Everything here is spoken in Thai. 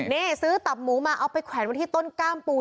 นี่ซื้อตับหมูมาเอาไปแขวนไว้ที่ต้นกล้ามปู